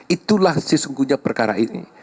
itulah sesungguhnya perkara ini